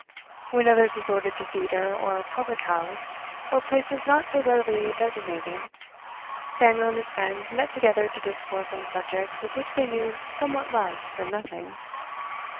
When others resorted to theatre or public house, or places not so readily designated, Samuel and his friends met together to discourse on subjects of which they knew somewhat less than nothing.